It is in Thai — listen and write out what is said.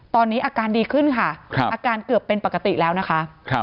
ตอนนี้อาการดีขึ้นค่ะอาการเกือบเป็นปกติแล้วนะคะ